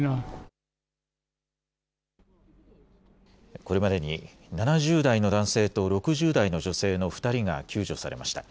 これまでに７０代の男性と６０代の女性の２人が救助されました。